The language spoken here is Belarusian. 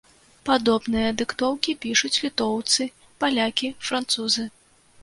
Падобныя дыктоўкі пішуць літоўцы, палякі, французы.